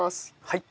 はい。